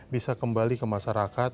bisa kembali ke masyarakat